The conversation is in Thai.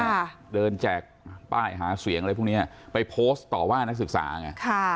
ค่ะเดินแจกป้ายหาเสียงอะไรพวกเนี้ยไปโพสต์ต่อว่านักศึกษาไงค่ะ